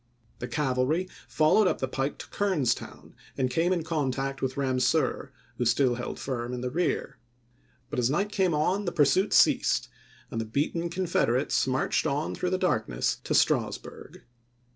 The cavalry followed up the pike to Kernstown and came in contact with Eamseur, who still held firm in the rear ; but as night came on the pursuit ceased, and the beaten Confederates marched on through the dark ness to Strasburg.